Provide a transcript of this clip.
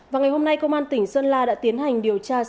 và ngày hôm nay công an tỉnh sơn la đã tiến hành điều tra xác minh